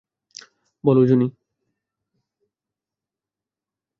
বলো, জুনি।